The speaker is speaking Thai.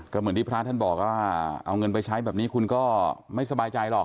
ก็เหมือนที่พระท่านบอกว่าเอาเงินไปใช้แบบนี้คุณก็ไม่สบายใจหรอก